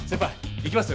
行きますよ。